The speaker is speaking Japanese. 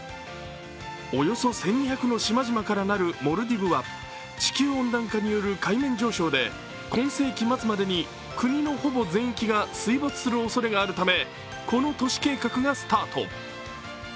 およそ１２００の島々からなるモルディブは地球温暖化による海面上昇で、今世紀末までに国のほぼ全域が水没するおそれがあるため、この都市計画がスタート。